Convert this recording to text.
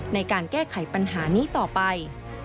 ในการแก้ไขปัญหานี้ต่อไป